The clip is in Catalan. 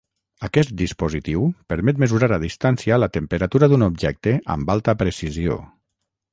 Aquest dispositiu permet mesurar a distància la temperatura d'un objecte amb alta precisió.